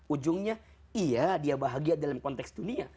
ujungnya iya dia bahagia dalam konteks dunia